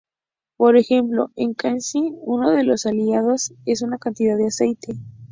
Por ejemplo en Kansai uno de los aliados es una cantidad de aceite.